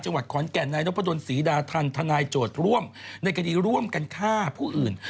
จังหวัดขอนแก่นนายนพดลศรีดาทันทนายโจทย์ร่วมในคดีร่วมกันฆ่าผู้อื่น